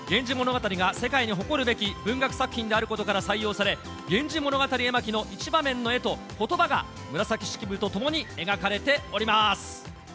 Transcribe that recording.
源氏物語が世界に誇るべき文学作品であることから採用され、源氏物語絵巻の一場面の絵と、ことばが紫式部とともに描かれておりまーす。